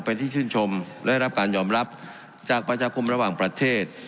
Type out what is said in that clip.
เป็นที่ชื่นชมและได้รับการยอมรับจากประชาคมระหว่างประเทศ